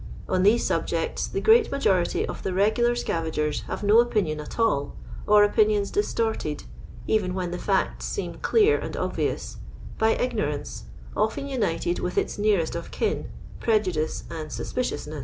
On these subjects the great nuijority of the regular scavngers have no opinions at all, or opinions distorted, even when the facts seem clear and obvious, by ignorance, often united with its nearest of kin, prejudice and suspiciousneu.